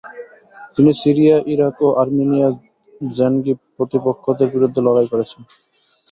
তিনি Syria, Iraq ও আর্মেনিয়ায় জেনগি প্রতিপক্ষদের বিরুদ্ধে লড়াই করেছেন।